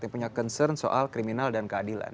yang punya concern soal kriminal dan keadilan